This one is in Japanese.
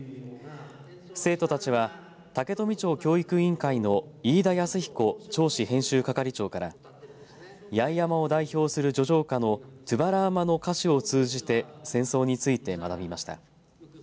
生徒たちは竹富町教育委員会の飯田泰彦町史編集係長から八重山を代表する叙情歌のとぅばらーまの歌詞を通じて戦争について学びました。